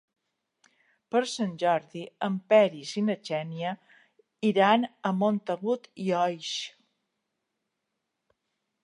Per Sant Jordi en Peris i na Xènia iran a Montagut i Oix.